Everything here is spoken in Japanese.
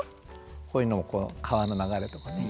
こういうのも川の流れとかね。